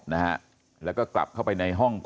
ลูกสาวหลายครั้งแล้วว่าไม่ได้คุยกับแจ๊บเลยลองฟังนะคะ